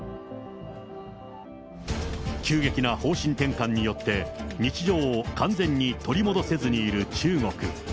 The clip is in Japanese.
急激な方針転換によって、日常を完全に取り戻せずにいる中国。